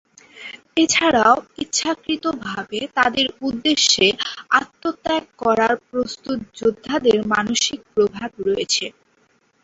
এছাড়াও, ইচ্ছাকৃতভাবে তাদের উদ্দেশ্যে আত্মত্যাগ করার জন্য প্রস্তুত যোদ্ধাদের মানসিক প্রভাব রয়েছে।